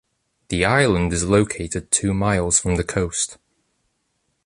The island is located two miles from the coast.